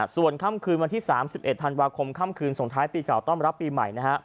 ส่วนค่ำคืนวันที่๓๑ธันวาคมค่ำคืนส่งท้ายปีเก่าต้อนรับปีใหม่